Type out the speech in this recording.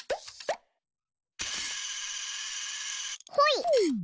ほい！